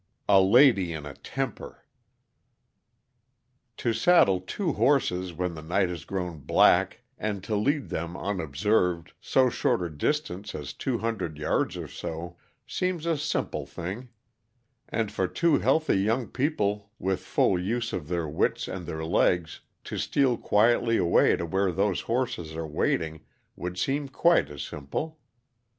A LADY IN A TEMPER To saddle two horses when the night has grown black and to lead them, unobserved, so short a distance as two hundred yards or so seems a simple thing; and for two healthy young people with full use of their wits and their legs to steal quietly away to where those horses are waiting would seem quite as simple.